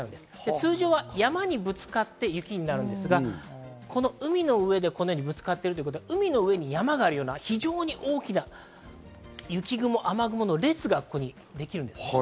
通常は山にぶつかって雪になるんですが、海の上でぶつかってるということは海の上に山があるような、非常に大きな雪雲、雨雲の列がここにできるんです。